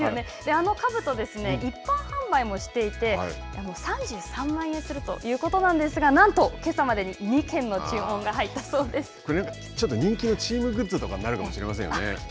あのかぶと一般販売もしていて３３万円するということなんですがなんと、けさまでにちょっと人気のチームグッズとかになるかもしれませんよね。